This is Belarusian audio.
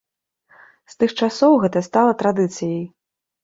З тых часоў гэта стала традыцыяй.